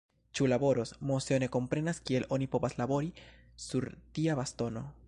Ĉu laboros? Moseo ne komprenas kiel oni povas "labori" sur tia bastono.